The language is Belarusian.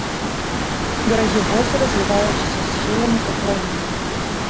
Берагі возера зліваюцца са схіламі катлавіны.